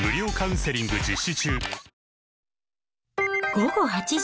午後８時。